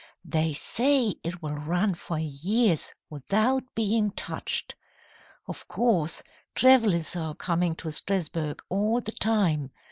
"They say it will run for years without being touched. Of course, travellers are coming to Strasburg all the time.